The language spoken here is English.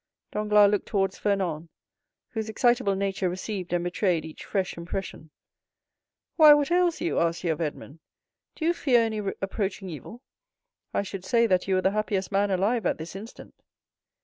Danglars looked towards Fernand, whose excitable nature received and betrayed each fresh impression. "Why, what ails you?" asked he of Edmond. "Do you fear any approaching evil? I should say that you were the happiest man alive at this instant."